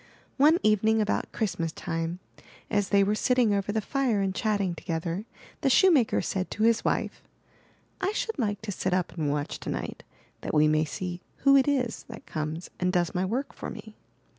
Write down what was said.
One evening about Christmas time, as they were sitting over the fire and chatting together, the shoemaker said to his wife: "I should like to sit up and watch tonight, that we may see who it is that comes and does my work for me.''